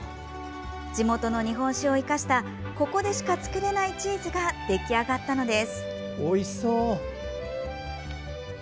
地元の日本酒を生かしたここでしか作れないチーズが出来上がったのです。